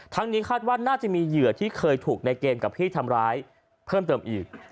นี้คาดว่าน่าจะมีเหยื่อที่เคยถูกในเกมกับพี่ทำร้ายเพิ่มเติมอีก